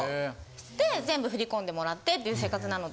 で全部振り込んでもらってっていう生活なので。